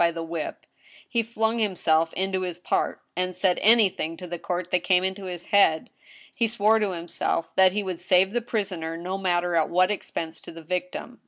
by the whip, he flung himself inter his part, and said anything to the court that came into his head ; be swore to himself that he W(^d save the prisoner, no matter at what expense to the victim.